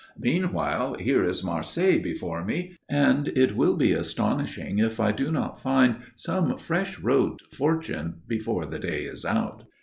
Meanwhile, here is Marseilles before me, and it will be astonishing if I do not find some fresh road to fortune before the day is out."